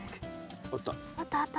あった。